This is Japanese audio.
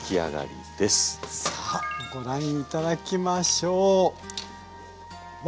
さあご覧頂きましょう。